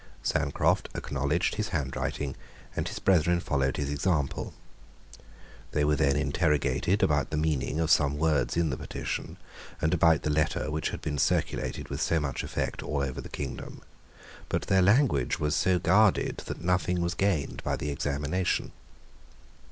Sancroft acknowledged his handwriting; and his brethren followed his example. They were then interrogated about the meaning of some words in the petition, and about the letter which had been circulated with so much effect all over the kingdom: but their language was so guarded that nothing was gained by the examination.